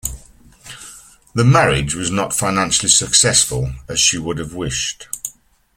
The marriage was not financially successful as she would have wished.